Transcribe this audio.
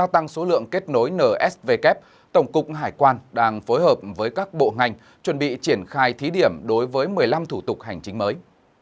tổng cục hải quan đang phối hợp với các bộ ngành chuẩn bị triển khai thí điểm đối với một mươi năm thủ tục hành chính mới